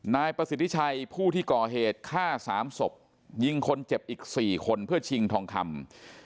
นายประสิทธิชัยผู้ที่ก่อเหตุฆ่า๓ศพยิงคนเจ็บอีก๔คนเพื่อชิงทองคำ